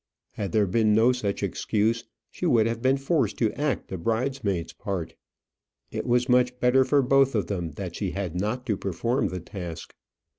Had there been no such excuse, she would have been forced to act a bridesmaid's part. It was much better for both of them that she had not to perform the task.